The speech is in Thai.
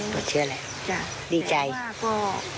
หมดเชื้อแล้วดีใจค่ะแต่ว่าก็